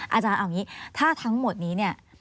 อาจารย์เอาอย่างนี้ถ้าทั้งหมดนี้เนี่ย